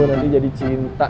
nadib jadi cinta